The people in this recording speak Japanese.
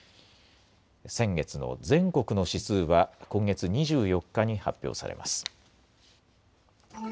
先月の全国の指数は今月２４日に発表されます。